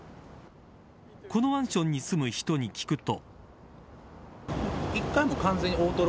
このマンションに住む人に聞くと。